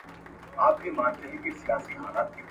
چي هر څو به ښکاري زرک وکړې ککړي ..